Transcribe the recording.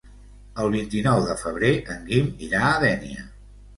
El vint-i-nou de febrer en Guim irà a Dénia.